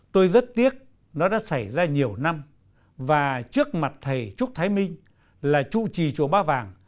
tôi rất tiếc nó đã xảy ra nhiều năm và trước mặt thầy trúc thái minh là trụ trì chùa ba vàng